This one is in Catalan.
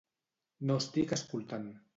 No estic escoltant.